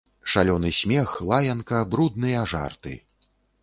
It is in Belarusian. Шалёны смех, лаянка, брудныя жарты.